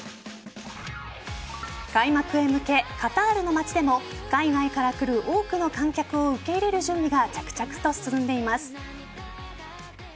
開幕へ向けカタールの街でも海外から来る多くの観客を受け入れる準備が着々と進んでいます。